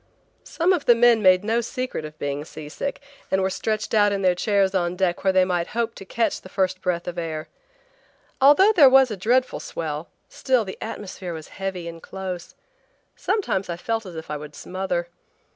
Some of the men made no secret of being seasick and were stretched out in their chairs on deck where they might hope to catch the first breath of air. Although there was a dreadful swell, still the atmosphere was heavy and close. Sometimes I felt as if I would smother.